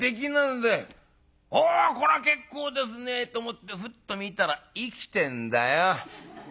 『おこら結構ですね』と思ってフッと見たら生きてんだよ。